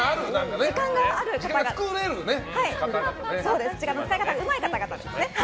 時間の使い方がうまい方ですね。